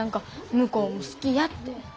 向こうも好きやって。